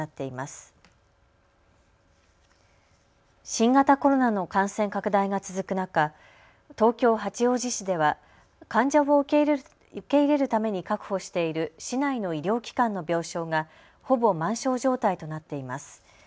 新型コロナの感染拡大が続く中、東京八王子市では患者を受け入れるために確保している市内の医療機関の病床がほぼ満床状態となっています。